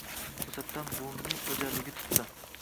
To‘satdan buvimning o‘jarligi tutdi: